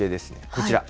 こちら。